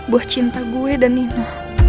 buah cinta gue dan nina